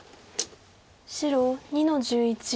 白２の十一。